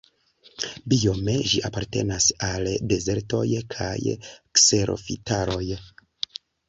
Biome ĝi apartenas al dezertoj kaj kserofitaroj.